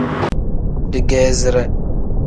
Digeezire.